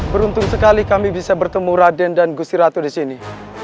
beruntung sekali kami bisa bertemu raden dan gusti ratu disini